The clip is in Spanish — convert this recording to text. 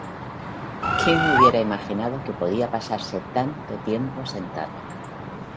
¿Quién hubiera imaginado que podía pasarse tanto tiempo sentado?